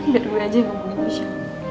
gak ada gue aja yang hubungin isya